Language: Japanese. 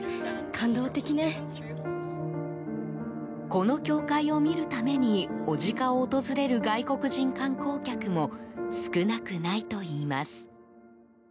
この教会を見るために小値賀を訪れる外国人観光客も少なくないといいます。